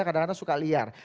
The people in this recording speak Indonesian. kadang kadang suka liar